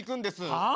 はあ？